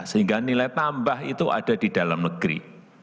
sehingga nilai tambah itu ada di dalam negeri